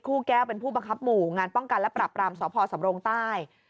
แก้วเป็นผู้บังคับหมู่งานป้องกันและปรับรามสพสำรงใต้